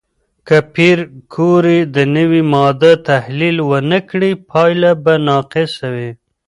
که پېیر کوري د نوې ماده تحلیل ونه کړي، پایله به ناقصه وي.